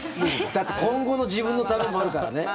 だって今後の自分のためもあるからね。